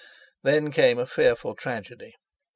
Then came a fearful tragedy.